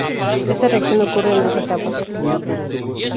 Esta reacción ocurre en dos etapas.